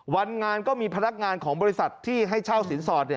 วันงานก็มีพนักงานของบริษัทที่ให้เช่าสินสอด